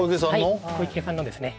はい小池さんのですね